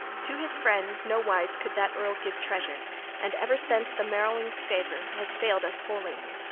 To his friends no wise could that earl give treasure! And ever since the Merowings' favor has failed us wholly.